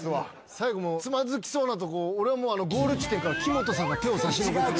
最後つまずきそうなとこ俺はもうゴール地点から木本さんが手を差し伸べてる。